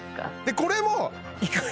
これもいくわよ